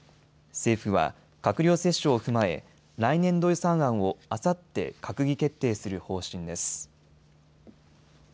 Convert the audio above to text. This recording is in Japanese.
政府は閣僚折衝を踏まえ来年度予算案をあさって閣議決定する方針です。